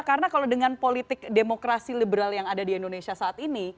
karena kalau dengan politik demokrasi liberal yang ada di indonesia saat ini